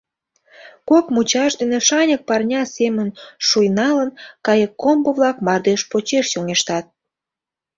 Кок мучаш дене шаньык парня семын шуйналын, кайыккомбо-влак мардеж почеш чоҥештат.